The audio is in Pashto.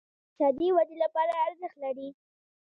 انګور د افغانستان د اقتصادي ودې لپاره ارزښت لري.